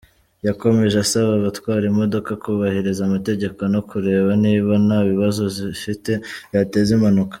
Yakomeje asaba abatwara imodoka kubahiriza amategeko no kureba niba nta bibazo zifite byateza impanuka.